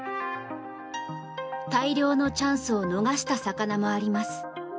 大漁のチャンスを逃した魚もあります。